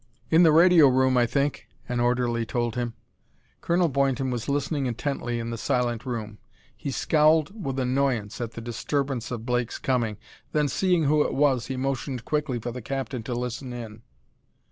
"In the radio room, I think," an orderly told him. Colonel Boynton was listening intently in the silent room; he scowled with annoyance at the disturbance of Blake's coming; then, seeing who it was, he motioned quickly for the captain to listen in.